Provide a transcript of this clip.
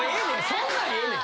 そんなんええねん。